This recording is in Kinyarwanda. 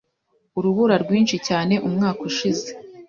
Urubura rwinshi cyane umwaka ushize.